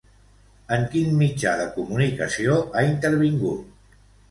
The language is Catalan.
En quin mitjà de comunicació ha intervingut?